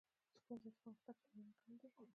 ښوونځی د پرمختګ لومړنی ګام دی.